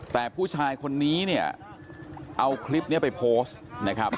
แต่ผู้ชายคนนี้เนี่ยเอาคลิปนี้ไปโพสต์นะครับ